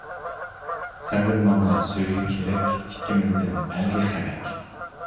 سەندىن ماڭا سۆيگۈ كېرەك، ئىككىمىزدىن ئەلگە خەمەك.